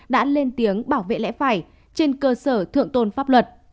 đã lên tiếng bảo vệ lẽ phải trên cơ sở thượng tôn pháp luật